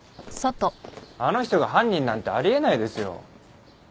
あの人が犯人なんてあり得ないですよ。